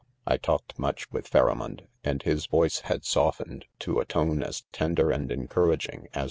.....■ 4 1 talked mush with Fharamond, and his Yoice had softened to a tone as tender and en* comrtfgingy as.